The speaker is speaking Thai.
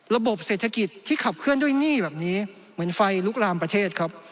ระบบเศรษฐกิจที่ขับเคลื่อนด้วยหนี้แบบนี้เหมือนไฟลุกลามประเทศครับ